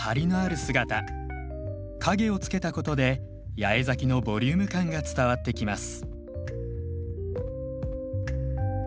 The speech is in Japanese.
影をつけたことで八重咲きのボリューム感が伝わってきます。